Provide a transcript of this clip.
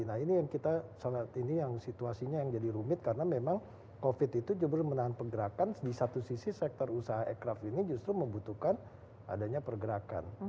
nah ini yang kita sangat ini yang situasinya yang jadi rumit karena memang covid itu justru menahan pergerakan di satu sisi sektor usaha aircraft ini justru membutuhkan adanya pergerakan